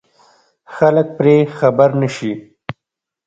خلک پرې خبر نه شي.